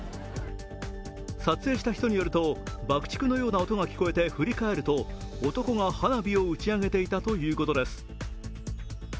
撮影した人によると、爆竹のような音が聞こえて、振り返ると男が花火を打ち上げていたということです。